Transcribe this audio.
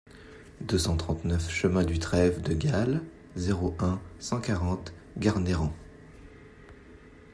deux cent trente-neuf chemin du Trève de Galle, zéro un, cent quarante, Garnerans